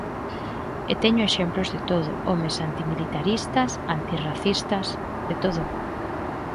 E teño exemplos de todo: homes antimilitaristas, antirracistas... de todo.